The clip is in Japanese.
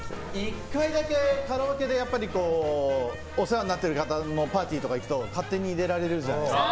１回だけカラオケでお世話になっている方のパーティーとか行くと勝手に入れられるじゃないですか。